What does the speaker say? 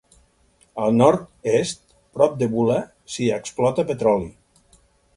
Al nord-est, prop de Bula, s'hi explota petroli.